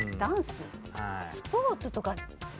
スポーツとか。